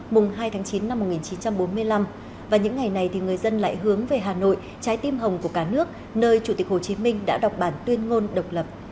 mùng hai tháng chín năm một nghìn chín trăm bốn mươi năm và những ngày này thì người dân lại hướng về hà nội trái tim hồng của cả nước nơi chủ tịch hồ chí minh đã đọc bản tuyên ngôn độc lập